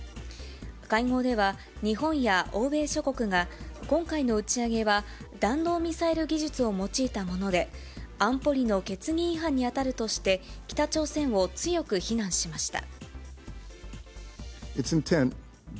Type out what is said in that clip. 会合では日本や欧米諸国が、今回の打ち上げは、弾道ミサイル技術を用いたもので、安保理の決議違反に当たるとして、北朝鮮を強く非難しました。